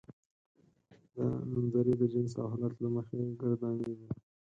دا نومځري د جنس او حالت له مخې ګردانیږي.